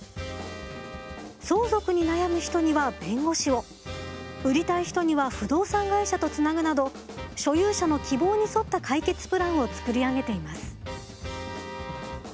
相続に悩む人には弁護士を売りたい人には不動産会社とつなぐなど所有者の希望に沿った解決プランを作り上げています。